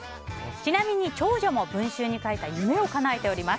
ちなみに長女も文集に書いた夢をかなえております。